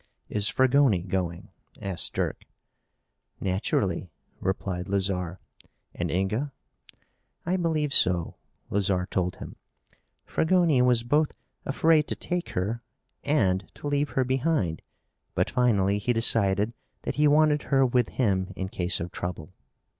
"Is Fragoni going?" asked Dirk. "Naturally," replied Lazarre. "And Inga?" "I believe so," Lazarre told him. "Fragoni was both afraid to take her and to leave her behind, but finally he decided that he wanted her with him in case of trouble."